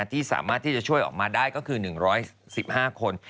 ที่สามารถที่จะช่วยออกมาได้ก็คือ๑๑๕คน